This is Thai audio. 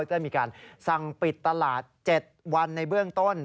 ได้มีการสั่งปิดตลาด๗วันในเบื้องต้น